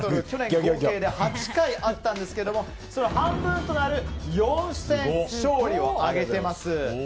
去年合計で８回あったんですがその半分となる４戦で勝利を挙げています。